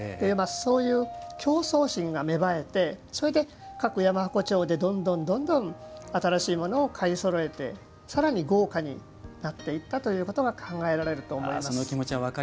そういう競争心が芽生えてそれで、各山鉾町でどんどん新しいものを買いそろえてさらに豪華になっていったということが考えられると思います。